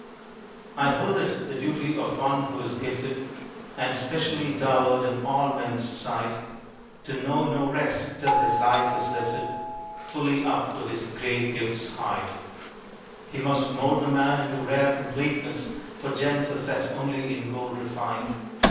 I hold it the duty of one who is gifted, And specially dowered in all men's sight, To know no rest till his life is lifted Fully up to his great gifts' height. He must mold the man into rare completeness, For gems are set only in gold refined.